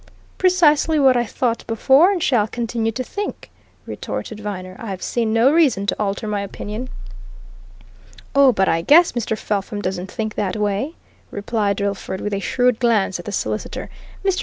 "Precisely what I thought before and shall continue to think," retorted Viner. "I've seen no reason to alter my opinion." "Oh but I guess Mr. Felpham doesn't think that way?" replied Drillford with a shrewd glance at the solicitor. "Mr.